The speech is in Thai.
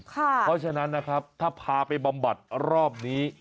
เพราะฉะนั้นนะครับถ้าพาไปบำบัดรอบนี้